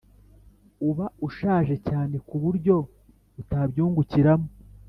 uba ushaje cyane kuburyo utabyungukiramo